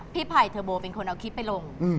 ไผ่เทอร์โบเป็นคนเอาคลิปไปลง